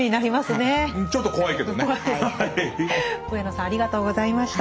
上野さんありがとうございました。